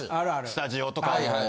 スタジオとかでも。